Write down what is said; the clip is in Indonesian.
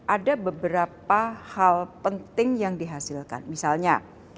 ada beberapa hal penting yang dihasilkan misalnya